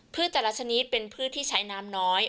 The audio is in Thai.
แต่ละชนิดเป็นพืชที่ใช้น้ำน้อย